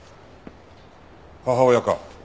母親か。